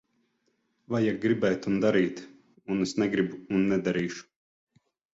Vajag gribēt un darīt. Un es negribu un nedarīšu.